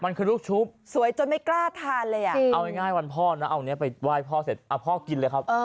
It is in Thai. มันคือลูกชุบสวยจนไม่กล้าทานเลยอ่ะเอาง่ายวันพ่อนะเอานี้ไปไหว้พ่อเสร็จพ่อกินเลยครับ